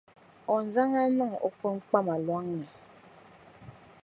O ni zaŋ a niŋ o kpiŋkpama lɔŋ ni.